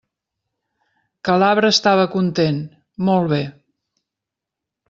Que l'arbre estava content..., molt bé!